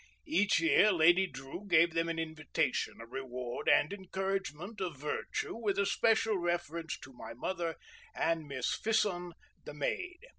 Every year Lady Drew gave them an invitation—a reward and encouragement of virtue with especial reference to my mother and Miss Fison, the maid.